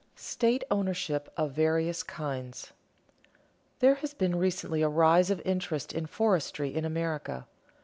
[Sidenote: State ownership of various kinds] There has been recently a rise of interest in forestry in America.